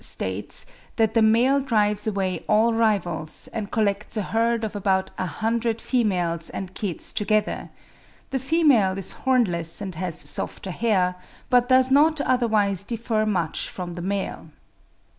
states that the male drives away all rivals, and collects a herd of about a hundred females and kids together; the female is hornless and has softer hair, but does not otherwise differ much from the male.